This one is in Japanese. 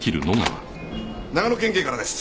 長野県警からです。